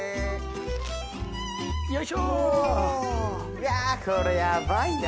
いやこれヤバいな。